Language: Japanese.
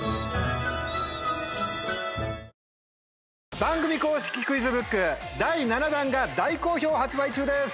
番組公式クイズブック第７弾が大好評発売中です。